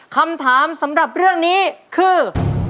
คำถามสำหรับเรื่องนี้คือ